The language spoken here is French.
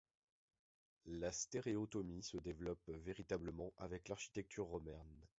La stéréotomie se développe véritablement avec l'architecture romaine.